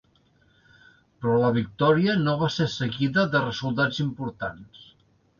Però la victòria no va ser seguida de resultats importants.